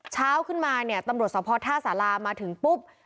เช้าขึ้นมาเนี่ยตำรวจสภท่าสารามาถึงปุ๊บ